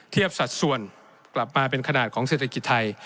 สัดส่วนกลับมาเป็นขนาดของเศรษฐกิจไทย